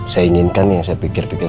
saya vorher dia menjadi korban ini